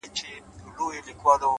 • په لیدلو چي یې وو په زړه نتلی ,